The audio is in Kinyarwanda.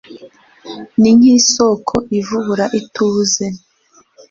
Ni nkisoko ivubura ituze